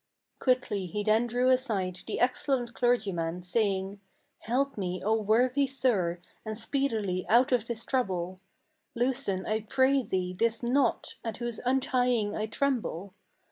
Quickly he then drew aside the excellent clergyman, saying: "Help me, O worthy sir, and speedily out of this trouble; Loosen, I pray thee, this knot, at whose untying I tremble.